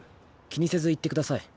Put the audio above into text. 気にせず行ってください。